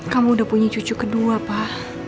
kamu udah punya cucu kedua pak